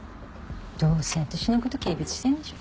どうせ私の事軽蔑してるんでしょ？